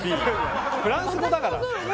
フランス語だから。